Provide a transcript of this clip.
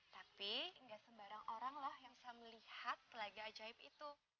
tapi nggak sembarang orang lah yang bisa melihat telaga ajaib itu